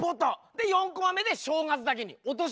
で４コマ目で「正月だけに落とし球」。